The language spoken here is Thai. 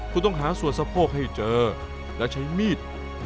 ผู้ต้องหาส่วนสะโพกให้เจอและใช้มีด